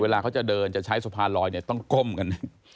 เวลาเขาจะเดินจะใช้สะพานลอยเนี่ยต้องก้มกัน